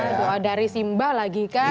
doa dari simba lagi kan